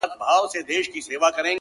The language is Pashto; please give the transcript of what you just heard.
بيا به تاوان راکړې د زړگي گلي ـ